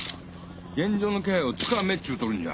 現場の気配をつかめちゅうとるんや。